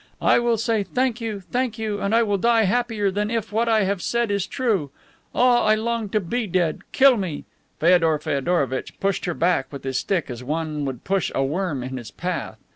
I will say thank you, thank you, and I will die happier than if what I have said was true. Ah, I long to be dead! Kill me!" Feodor Feodorovitch pushed her back with his stick as one would push a worm in his path.